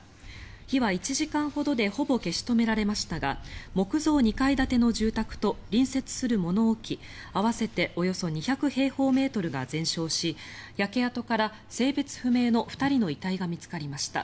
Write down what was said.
火は１時間ほどでほぼ消し止められましたが木造２階建ての住宅と隣接する物置合わせて、およそ２００平方メートルが全焼し焼け跡から性別不明の２人の遺体が見つかりました。